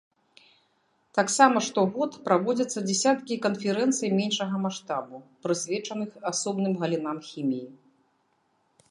Таксама штогод праводзяцца дзясяткі канферэнцый меншага маштабу, прысвечаных асобным галінам хіміі.